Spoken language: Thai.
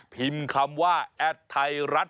พิมพ์คำว่าแอดไทยรัฐ